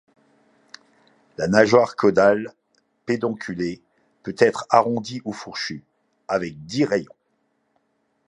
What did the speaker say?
La nageoire caudale, pédonculée, peut être arrondie ou fourchue, avec dix rayons.